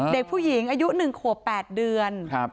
เด็กผู้หญิงอายุ๑ขวบ๘เดือน